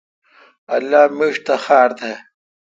اللہ میݭ تہ خار تہ۔